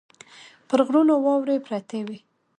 پر غرونو واورې پرتې وې.